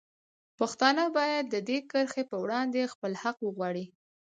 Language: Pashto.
پښتانه باید د دې کرښې په وړاندې خپل حق وغواړي.